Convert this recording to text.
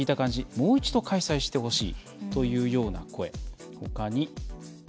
もう一度開催してほしい」というような声。